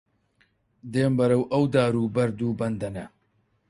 دێم بەرەو ئەو دار و بەرد و بەندەنە